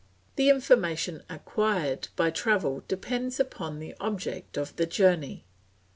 The information acquired by travel depends upon the object of the journey.